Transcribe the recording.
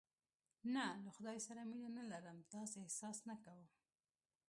نه، له خدای سره مینه نه لرم، داسې احساس نه کوم.